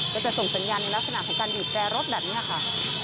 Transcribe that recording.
ก็จะส่งสัญญาณในลักษณะของการบีบแตรรถแบบนี้ค่ะ